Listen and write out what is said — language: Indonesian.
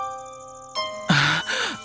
tolong selamatkan aireen kecilku